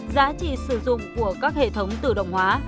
giá trị sử dụng của các hệ thống tự động hóa